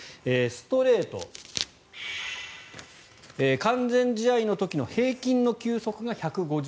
ストレート、完全試合の時の平均の球速が１５９．８ｋｍ。